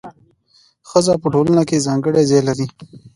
ښځه په ټولنه کي ځانګړی ځای لري.